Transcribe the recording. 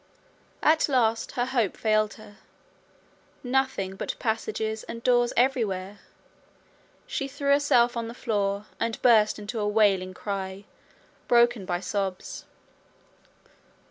At last her hope failed her. Nothing but passages and doors everywhere! She threw herself on the floor, and burst into a wailing cry broken by sobs.